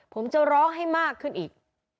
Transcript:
ผมจะร้องให้มากขึ้นอีก